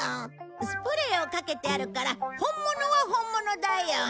スプレーをかけてあるから本物は本物だよ。